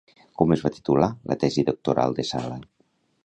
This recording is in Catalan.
Com es va titular la tesi doctoral de Sala?